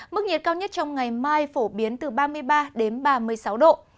mức nhiệt cao nhất trong ngày mai phổ biến từ ba mươi ba đến ba mươi sáu độ